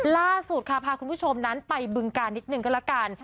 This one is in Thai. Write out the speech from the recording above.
ล่าสุดค่ะพาคุณผู้ชมนั้นไปบึงการนิดนึงก็แล้วกัน